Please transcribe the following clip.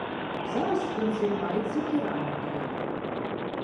Зараз ён займаецца керамікай.